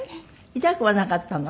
痛くはなかったの？